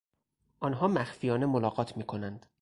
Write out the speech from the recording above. آنها مخفیانه ملاقات میکنند.